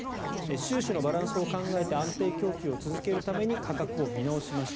収支のバランスを考えて安定供給を続けるために価格を見直しました。